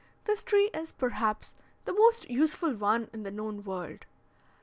This tree is, perhaps, the most useful one in the known world.